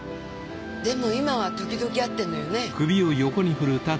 でも今は時々会ってるのよね？